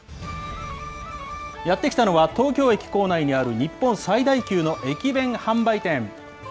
やって来たのは、東京駅構内にある日本最大級の駅弁販売店。